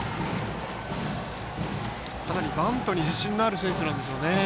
かなりバントに自信がある選手なんでしょうね。